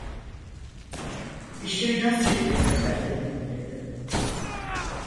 "İşin rast gidiyor efendi!" dedi.